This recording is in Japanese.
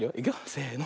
せの。